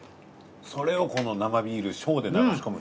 それをこの生ビール小で流し込む。